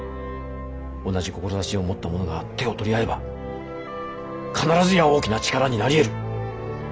同じ志を持った者が手を取り合えば必ずや大きな力になりえる。